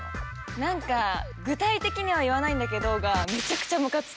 何か「具体的には言わないんだけど」がめちゃくちゃむかつく。